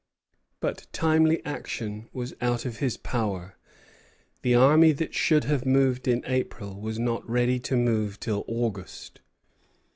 But timely action was out of his power. The army that should have moved in April was not ready to move till August.